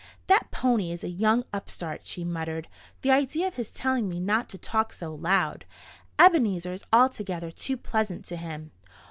"That pony is a young upstart," she muttered. "The idea of his telling me not to talk so loud! Ebenezer is altogether too pleasant to him."